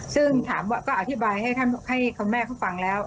ซึ่งถามว่าก็อธิบายให้คุณแม่เขาฟังแล้ว